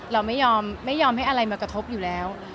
เราไม่ยอมไม่ยอมให้อะไรมากระทบอยู่แล้ว